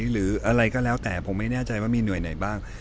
หรืออะไรก็แล้วแต่ผมไม่แน่ใจว่ามีหน่วยไหนบ้าง